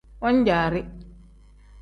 Wan-jaari.